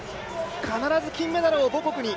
必ず金メダルを母国に。